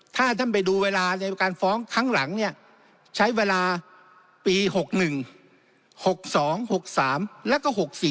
ถ้าท่านไปดูเวลาในการฟ้องครั้งหลังเนี่ยใช้เวลาปี๖๑๖๒๖๓แล้วก็๖๔